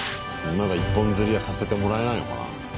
まだ一本釣りはさせてもらえないのかな？